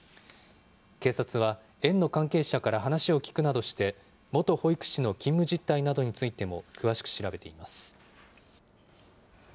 警察は園の関係者から話を聞くなどして、元保育士の勤務実態などについても詳しく調べています。